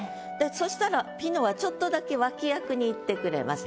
そしたらピノはちょっとだけ脇役にいってくれます。